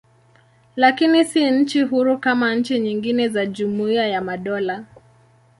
Lakini si nchi huru kama nchi nyingine za Jumuiya ya Madola.